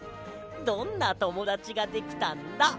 どんなともだちができたんだ？